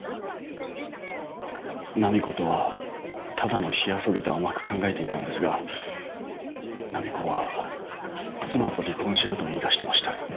浪子とはただの火遊びと甘く考えていたんですが浪子は妻と離婚しろと言い出してました。